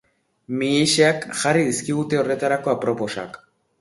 Mihiseak jarri dizkigute horretarako aproposak.